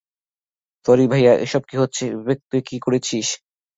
Sorry, ভাইয়া এইসব কি হচ্ছে, বিবেক তুই কি করেছিস?